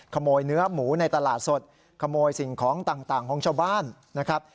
ขโมยเนื้อหมูในตลาดสดขโมยสิ่งของต่างของชาวบ้านนะครับ